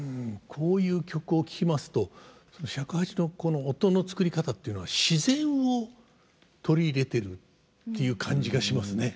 こういう曲を聴きますと尺八の音の作り方っていうのは自然を取り入れてるっていう感じがしますね。